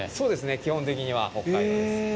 基本的には北海道です。